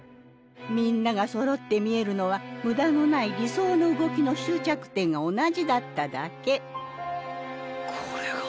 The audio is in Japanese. みんながそろって見えるのは無駄のない理想の動きの終着点が同じだっただけ。